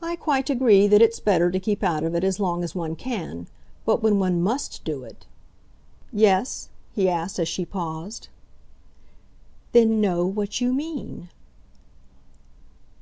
"I quite agree that it's better to keep out of it as long as one can. But when one MUST do it " "Yes?" he asked as she paused. "Then know what you mean."